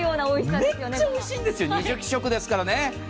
めっちゃおいしいんですよ、２０食ですからね。